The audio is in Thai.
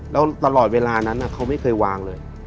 แล้วตลอดเวลานั้นเขาไม่เคยวางเลย